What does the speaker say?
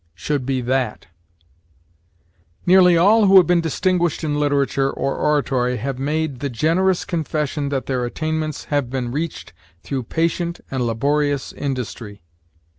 Should be that. "Nearly all who have been distinguished in literature or oratory have made ... the generous confession that their attainments have been reached through patient and laborious industry.